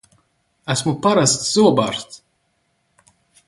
Esmu parasts zobārsts!